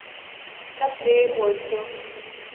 نه پرې ورځو؟